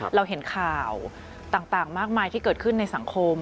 เราเห็นข่าวต่างมากมายที่เกิดขึ้นในสังคม